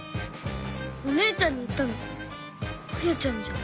お姉ちゃんに言ったのあやちゃんじゃん。